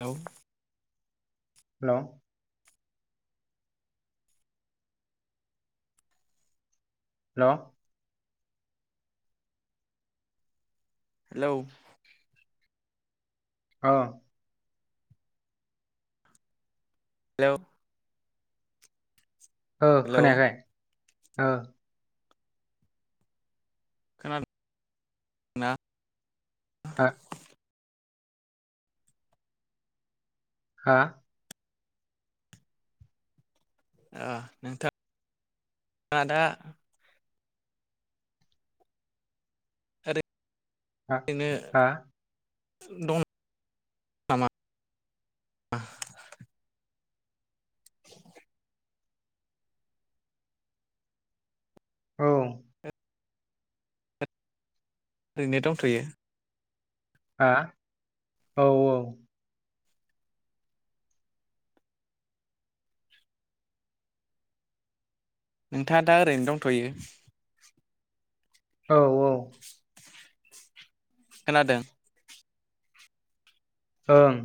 Hello hello hello hello औ hello औ hello खोनायाखाय औ ना [inaudible] हा ओ नोंथां नोंथा दा ओरैनो [inaudible] दं आ [unintelligible] औ ओरैनो दंथैयो हा औ औ नोंथाङा दा ओरैनो दंथ'यो औ औ खोनादों ओं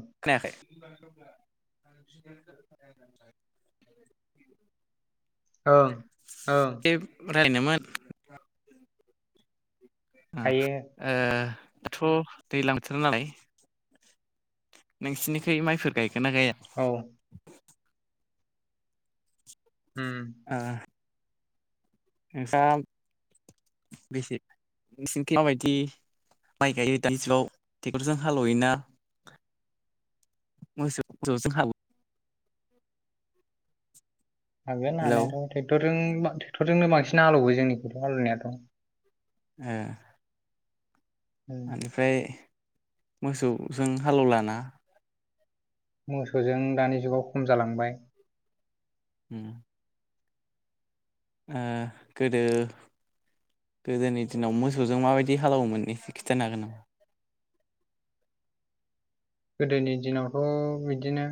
[unintelligible] ओं ओं रायज्लायनोमोन हायो दाथ' दैज्लां बोथोर नालाय नोंसिनिखै माइफोर गायगो ना गाया? औ हम ओ [inaudible] माइ गायो दानिजुगाव ट्रेक्टरजों हालेवयोना मोसौ मोसौजों हा हागोन हेलौ ओ हानायाथ' टेक्टर टेक्टरजोंनो बांसिन आलेवयो जोंनिथिंथ' हालेवनायाथ' उम बेनिफ्राय मोसौजों हालेवलाना? मोसौजों दानि जुगाव खम जालांबाय। [inaudible] ओ गोदो गोदोनि दिनाव मोसौजों माबायदि हालेवयोमोन एसे खिथानो हागोन नामा? गोदोनि दिनावथ' बिदिनो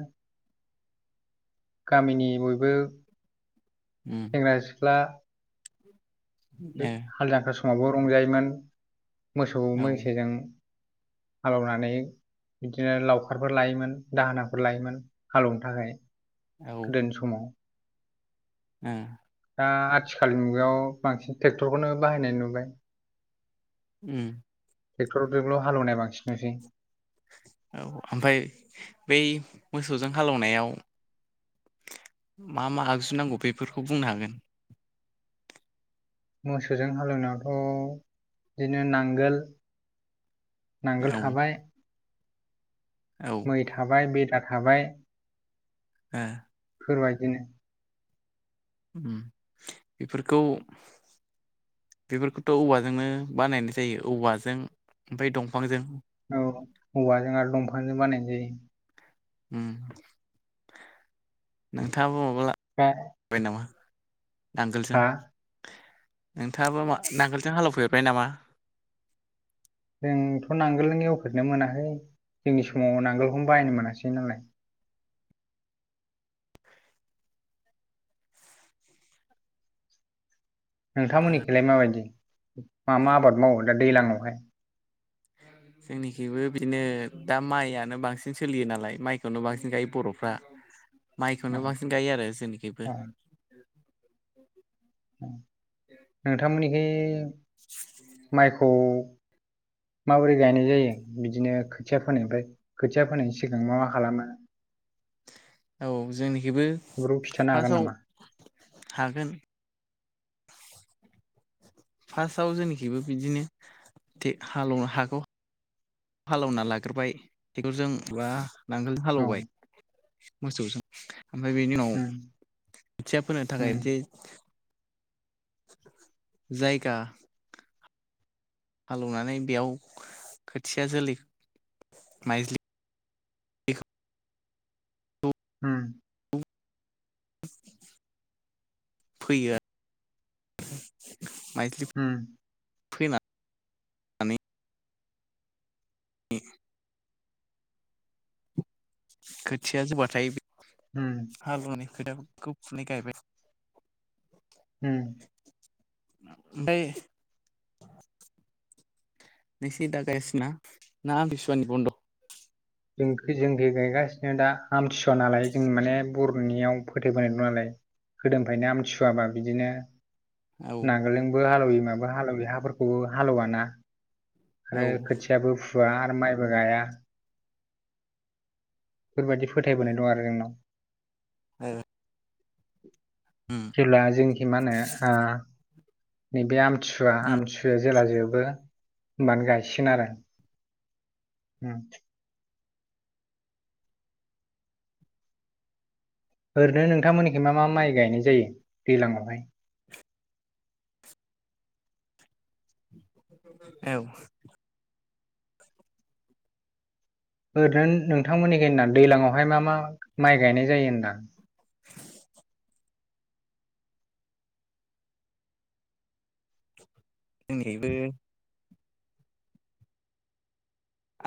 गामिनि बयबो उम सेंग्रा सिख्ला ओ हाल जांखाल समावबो रंजायोमोन मोसौ औ मैसोजों हालेवनानै बिदिनो लावखारफोर लायोमोन दाहोनाफोर लायोमोन हालेवनो थाखाय। औ ओ गोदोनि समाव [inaudible] दा आथिखालनि मुगायाव बांसिन ट्रेक्टरखौनो बाहायनाय नुबाय। [inaudible] ट्रेक्टरजोंल' हालेवनाय बांसिन नुसै औ ओमफ्राय बै मोसौजों हालेवनायाव मा मा आगजु नांगौ बेफोरखौ बुंनो हागोन? मोसौजों हालेवनायावथ' बिदिनो नांगोल औ नांगोल थाबाय औ ओ मै थाबाय बेदा थाबाय हो बेफोरबायदिनो [inaudible] बेफोरखौथ' औवाजोंनो बानायनाय जायो औवाजों ओमफ्राय दंफांजों। औ औवाजों आरो दंफांजों बानायनाय जायो। [inaudible] नोंथाङाबो माब्लाबा दा जाबाय नामा नांगोलजों? हा नोंथाङाबो नांगोलजों हालेवफेरबाय नामा? जोंथ' नांगोलजों एवफेरनो मोनाखै। जोंनि समाव नांगोलखौनो बायनो मोनासै नालाय। नोंथांमोननिथिंलाय माबायदि मा मा आबाद मावो दा दैज्लाङावहाय? [inaudible] जोंनिखिबो बिदिनो दा माइयानो बांसिन सोलियो नालाय माइखौनो बांसिन गायो बर'फ्रा। औ माइखौनो बांसिन गायो आरो जोंनिखैबो नोंथांमोननिथिं माइखौ [inaudible] माबोरै गायनाय जायो बिदिनो खोथिया फोनायफ्राय खोथिया फोनायनि सिगां मा मा खालामो? [inaudible] औ जोंनिखैबो बेफोरखौ खिन्थानो हागोन फार्स्टआव नामा हागोन फार्स्टआव जोंनिखैबो बिदिनोे हालेवनो हाखौ हालेवना लाग्रोबाय ट्रेक्टरजों बा नांगोलजों औ हालेवबाय। मोसौजों ओमफ्राय बेनि उनाव उम खोथिया फोनो थाखाय उम मोनसे जायगा हालेवनानै बेयाव खोथिया जोलै माइज्लि उम फैयो आ उम फोनानै नै खोथिया जौबाथाय उम हाल एवनानै खोथियाखौ फुना गायबाय। उम ओमफाय निसिदा गायसिना ना आमथिसुवानि बन्द' जोंखि जोंखि गायगासिनो दा आमथिसुवा नालाय जों माने बर'नियाव फो [unintelligible] नालाय गोदोनिफ्रायनो आमथिसुवाबा बिदिनो औ औ नांगोलजोंबो हालौयि मा बा हाल एवयि हाफोरखौ हाल‌ एवाना आरो ओ खोथियाबो फु आ आरो माइबो गाया। बेफोरबादि फोथायबोनाय दं आरो जोंनाव। ओ जेब्ला जोंनिखि मा होनो ओ नैबे आम थि सुवा उम आमथिसुवाया जेला जोब बो होनबानो गायसिगोन आरो उम ओरैनो नोंथांमोननिखि मा मा माइ गायनाय जायो दैलांआवहाय? [inaudible] औ। ओरैनो नोंथांमोननिखि होनना दैलांआवहाय मा मा माइ गायनाय जायो होनदोआं। जोंनिखैबो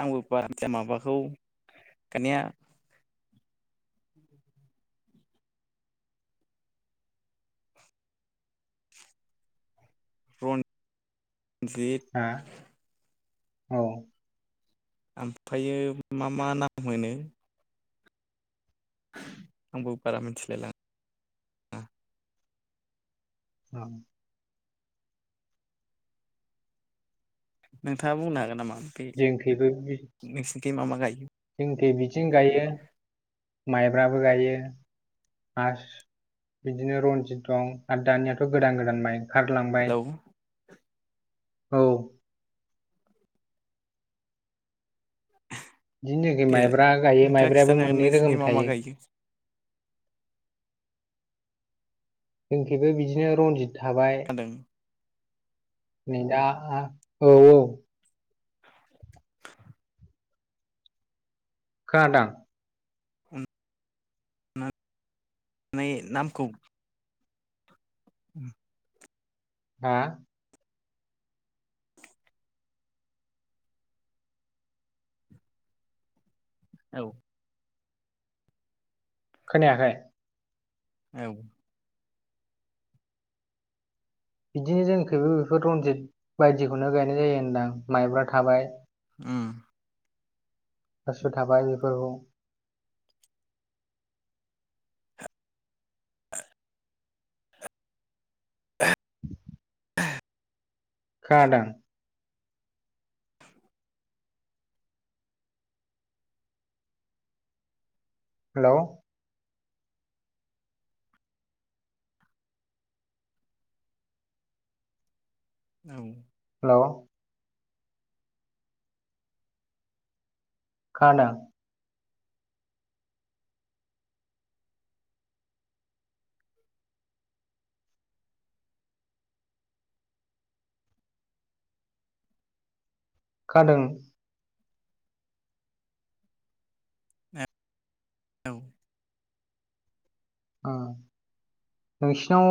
आंबो बाराद्राय माबाखौ दानिया रन जित हा औ। ओमफायो मा मा नाम होनो? आंबो बारा मिथिलायला औ ‌। नोंथाङा बुंनो हागोन नामा? जोंनिखैबो बि दि मा मा गायो? जोंनिथिं बिथिं गायो माइब्राबो गायो ‌ आसु बिदिनो रनजित दं आरो दानियाथ' गोदान गोदान माइ ओंखारलांबाय। हेलौ औ। बिदिनो जोंनिखि देलाय माइब्रा गायो नोंथाङा खिन्थानो माइब्रायाबो हागोन मोननै नोंसिनिखै रोखोमनि मा मा थायो। गायो जोंखिबो बिदिनो रनजित थाबाय खोनादों नै दा ओ औ औ। खोनादों? [inaudible] उम। हा? औ। खोनायाखै? औ। बिदिनो जों खबो बेफोर रनजित बायदिखौनो गायनाय जायो होनदां माइब्रा थाबाय। उम। बासु थाबाय बेफोरखौ [inaudible] खोनादों? हेल'। औ। हेल'। खोनादों? खोनादों? औ। औ नोंस्नाव।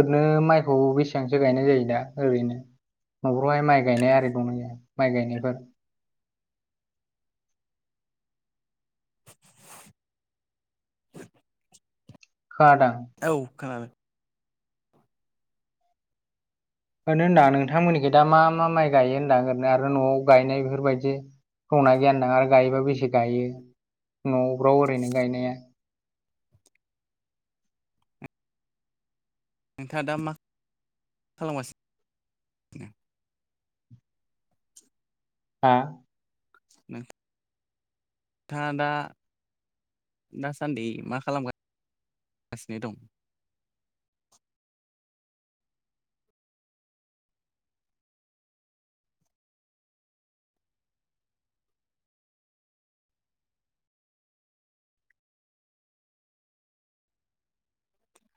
ओरैनो माइखौ बेसेबांसो गायनाय जायो दा ओरैनो न'खफ्रावहाय माइ गायनाया आरि दंना गैया माइ गायनायफोर [unintelligible] खोनादों औ खोनादों होनो होनदा नोंथांमोननिखौ दा मा मा माइ गायो होनदां ओरैनो आरो न'आव गायनाय बेफोरबायदि थौना गियान नाङा आरो गायोबा बेसे गायो न'फ्राव ओरैनो गायनाया नोंथाङा दा मा खालामगासिनो हा था दा दासान्दि मा खालामगासिनो दं?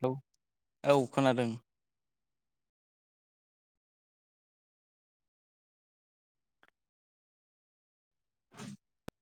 औ औ खोनादों। [inaudible]